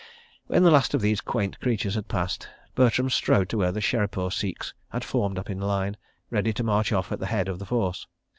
... When the last of these quaint creatures had passed, Bertram strode to where the Sherepur Sikhs had formed up in line, ready to march off at the head of the force.